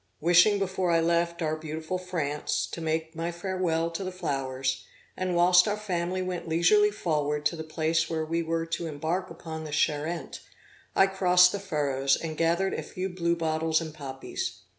Wishing before I left our beautiful France, to make my farewell to the flowers, and, whilst our family went leisurely forward to the place where we were to embark upon the Charente, I crossed the furrows, and gathered a few blue bottles and poppies.